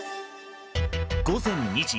午前２時。